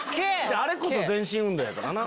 あれこそ全身運動やからな。